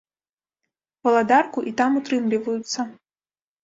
Валадарку і там утрымліваюцца.